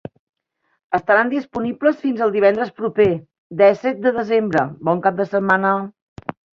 Estaran disponibles fins el divendres proper, dèsset de desembre. Bon cap de setmana!